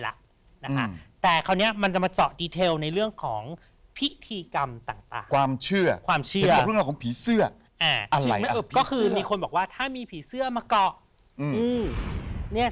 แล้วแต่คราวนี้มันจะมาเจาะดีเทลในเรื่องของพิธีกรรมต่างความเชื่อความเชื่อของผีเสื้ออะไรก็คือมีคนบอกว่าถ้ามีผีเสื้อมาเกาะ